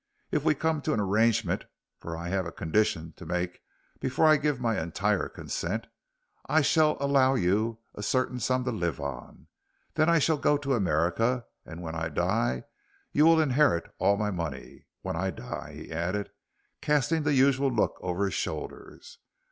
If we come to an arrangement, for I have a condition to make before I give my entire consent, I shall allow you a certain sum to live on. Then I shall go to America, and when I die you will inherit all my money when I die," he added, casting the usual look over his shoulders.